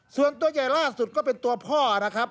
ส่วนตัวใหญ่ล่าสุดก็เป็นตัวพ่อนะครับ